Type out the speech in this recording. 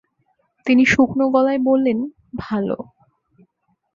তিনি শুকনো গলায় বললেন, ভালো।